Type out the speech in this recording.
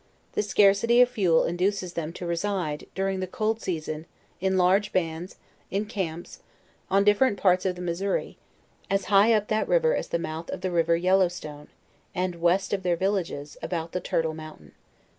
The scarcity of fuel induces them to reside, during the cold season, in large bands, in camps, on different parts of the Missouri, as high up that riv er as the mouth of the river Yellow Stone, and west of their villages, about the Turtle mountain.